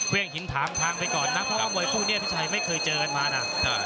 ่งหินถามทางไปก่อนนะเพราะว่ามวยคู่นี้พี่ชัยไม่เคยเจอกันมานะ